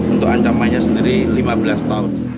untuk ancamannya sendiri lima belas tahun